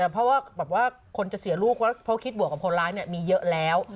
เพราะว่าคนจะเสียลูกเพราะคิดบวกกับคนร้ายมีเยอะแล้ว